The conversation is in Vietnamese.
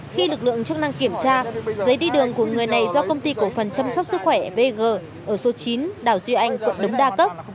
khi lực lượng chức năng kiểm tra giấy đi đường của người này do công ty cổ phần chăm sóc sức khỏe vg ở số chín đào duy anh quận đống đa cấp